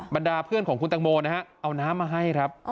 บรรดาเพื่อนของคุณตังโมนะฮะเอาน้ำมาให้ครับ